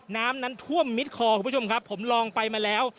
น้ำนั้นท่วมมิดคอคุณผู้ชมครับผมลองไปมาแล้ว